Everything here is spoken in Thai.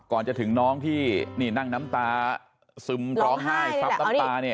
ก่อนจะถึงน้องที่นี่นั่งน้ำตาซึมร้องไห้ซับน้ำตาเนี่ย